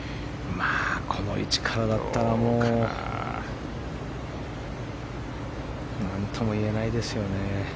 この位置からだったら何とも言えないですよね。